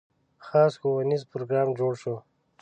خاص ښوونیز پروګرام جوړ شوی.